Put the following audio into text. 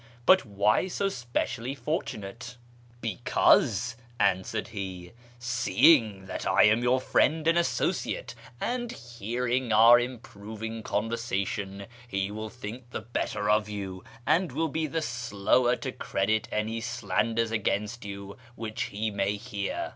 But why so specially fortunate ?"" Because," answered he, " seeing that I am your friend and associate, and hearing our improving conversation, he will think the better of you, and will be the slower to credit any slanders against you which he may hear."